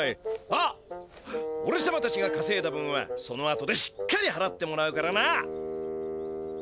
あっおれさまたちがかせいだ分はそのあとでしっかりはらってもらうからな！